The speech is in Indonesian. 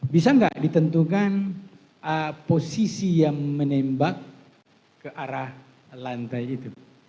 bisa nggak ditentukan posisi yang menembak ke arah lantai itu